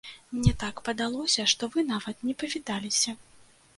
Мне так падалося, што вы нават не павіталіся.